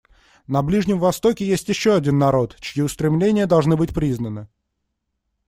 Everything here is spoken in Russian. На Ближнем Востоке есть еще один народ, чьи устремления должны быть признаны.